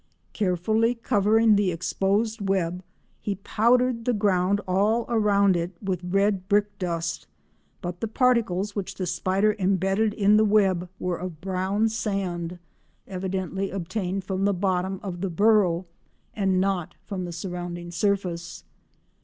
Carefully covering the exposed web, he powdered the ground all round it with red brick dust, but the particles which the spider embedded in the web were of brown sand, evidently obtained from the bottom of the burrow and not from the surrounding surface.